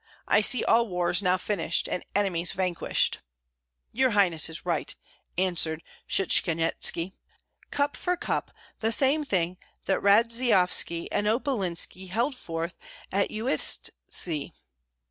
I see all wars now finished, and enemies vanquished." "Your highness is right," answered Shchanyetski. "Cup for cup, the same thing that Radzeyovski and Opalinski held forth at Uistsie.